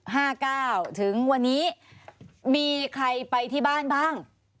คราวที่แล้ว๕๙ถึงวันนี้มีใครไปที่บ้านบ้าง